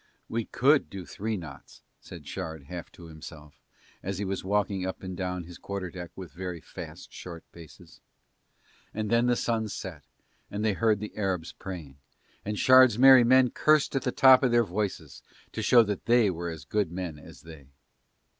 "We could do three knots," said Shard half to himself as he was walking up and down his quarter deck with very fast short paces. And then the sun set and they heard the Arabs praying and Shard's merry men cursed at the top of their voices to show that they were as good men as they.